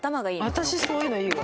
私そういうのいいわ。